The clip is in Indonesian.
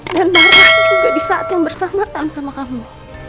dan marah juga disaat yang bersamaan sama kamu